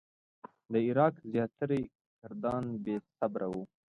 د عراق زیاتره کردان بې صبره وو.